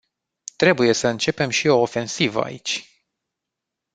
Trebuie să începem și o ofensivă aici.